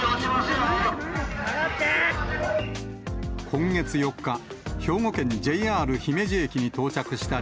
今月４日、兵庫県ＪＲ姫路駅に到着した